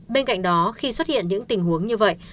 bên cạnh đó khi xuất hiện những tình huống như vậy